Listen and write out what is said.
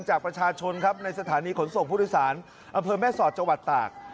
จากประชาชนครับในสถานีขนส่งผู้โดยสารอำเภอแม่สอดจังหวัดตาก